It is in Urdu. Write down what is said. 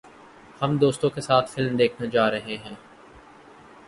ہم دوستوں کے ساتھ فلم دیکھنے جا رہے ہیں